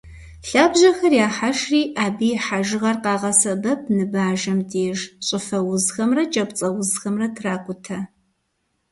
Лъабжьэхэр яхьэжри, абы и хьэжыгъэр къагъэсэбэп ныбажэм деж, щӏыфэ узхэмрэ кӏапцӏэузхэмрэ тракӏутэ.